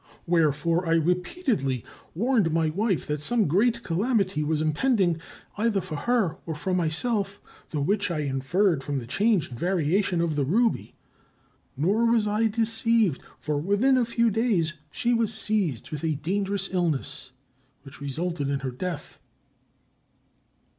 Wherefore, I repeatedly warned my wife that some great calamity was impending either for her or for myself, the which I inferred from the change and variation of the ruby. Nor was I deceived, for within a few days she was seized with a dangerous illness, which resulted in her death.